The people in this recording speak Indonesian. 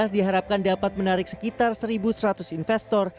diharapkan dapat menarik sekitar satu seratus investor